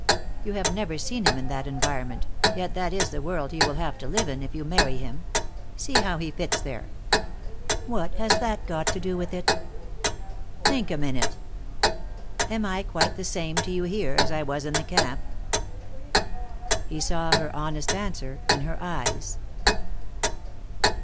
You have never seen him in that environment, yet that is the world he will have to live in, if you marry him. See how he fits there." "What has that got to do with it?" "Think a minute. Am I quite the same to you here, as I was in the camp?" He saw her honest answer in her eyes.